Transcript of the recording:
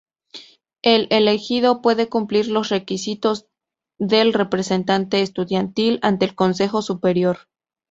El elegido puede cumplir los requisitos del representante estudiantil ante el Consejo Superior.